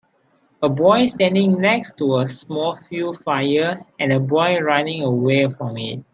A boy standing next to a small field fire and a boy running away from it.